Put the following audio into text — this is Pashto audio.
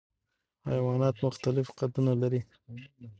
حیوانات مختلف قدونه لري.